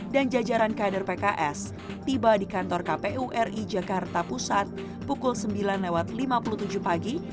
dan jajaran kaider pks tiba di kantor kpu ri jakarta pusat pukul sembilan lewat lima puluh tujuh pagi